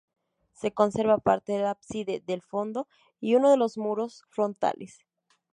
Se conserva parte del ábside del fondo y uno de los muros frontales.